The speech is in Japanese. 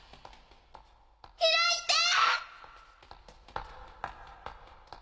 開いて‼